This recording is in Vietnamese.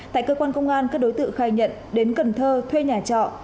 tại cơ quan công an các đối tượng khai nhận đến cần thơ thuê nhà trọ